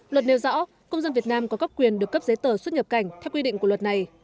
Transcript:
luật nêu rõ công dân việt nam có các quyền được cấp giấy tờ xuất nhập cảnh theo quy định của luật này